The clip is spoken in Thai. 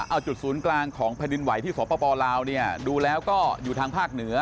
เอาจุดศูนย์กลางของแผ่นดินไหวที่สปลาวเนี่ยดูแล้วก็อยู่ทางภาคเหนือ